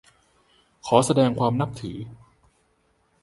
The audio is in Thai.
ขอแสดงความนับถือ